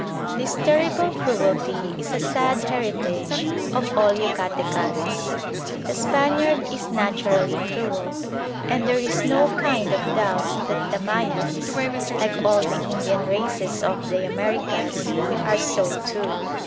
This terrible cruelty is a sad heritage of all Yucatecans. The Spaniard is naturally cruel, and there is no kind of doubt that the Mayans, like all the Indian races of the Americas, are so too.